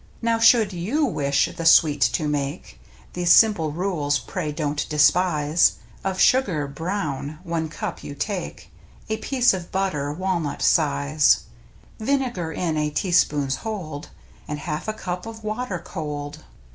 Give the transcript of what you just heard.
Now should you wish the sweet to make, These simple rules pray don't despise: Of sugar — brown — one cup you take, A piece of butter, walnut size, Vinegar in a teaspoon's hold. And half a cup of water cold.